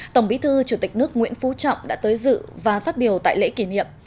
tổng bí thư chủ tịch nước nguyễn phú trọng đã tới dự và phát biểu tại lễ kỷ niệm